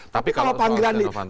tapi kalau panggilan nih